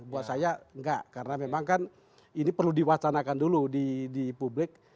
buat saya enggak karena memang kan ini perlu diwacanakan dulu di publik